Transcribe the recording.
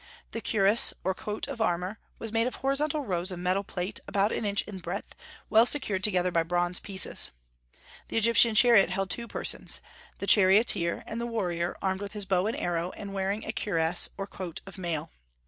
The cuirass, or coat of armor, was made of horizontal rows of metal plate, about an inch in breadth, well secured together by bronze pieces. The Egyptian chariot held two persons, the charioteer, and the warrior armed with his bow and arrow and wearing a cuirass, or coat of mail.